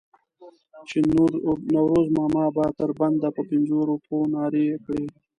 چې نوروز ماما به تر بنده په پنځو روپو نارې کړې.